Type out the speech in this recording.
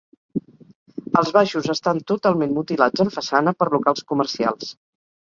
Els baixos estan totalment mutilats en façana per locals comercials.